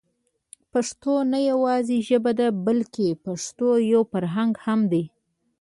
پښتو نه يوازې ژبه ده بلکې پښتو يو فرهنګ هم دی.